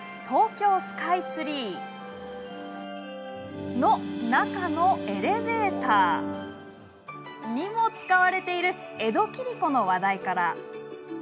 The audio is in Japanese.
東京スカイツリーの中のエレベーターにも使われている江戸切子の話題から。